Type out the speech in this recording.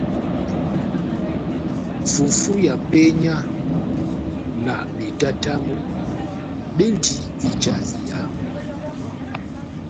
Fufu ya penya na betatamu bendi ija iyamu.